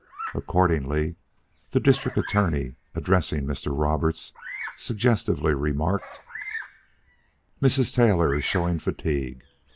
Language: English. Accordingly, the District Attorney, addressing Mr. Roberts, suggestively remarked: "Mrs. Taylor is showing fatigue.